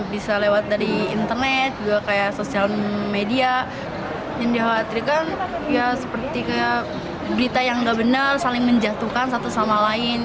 bisa lewat dari internet juga kayak sosial media yang dikhawatirkan ya seperti kayak berita yang nggak benar saling menjatuhkan satu sama lain